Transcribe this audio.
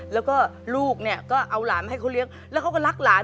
แล้วก็ลูกเนี่ยก็เอาหลานให้เขาเลี้ยงแล้วเขาก็รักหลาน